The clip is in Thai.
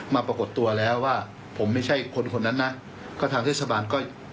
ปรากฏตัวแล้วว่าผมไม่ใช่คนคนนั้นนะก็ทางเทศบาลก็